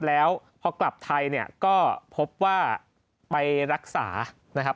แล้วพอกลับไทยเนี่ยก็พบว่าไปรักษานะครับ